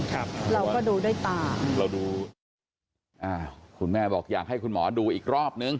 ครับเราก็ดูด้วยตาเราดูอ่าคุณแม่บอกอยากให้คุณหมอดูอีกรอบนึง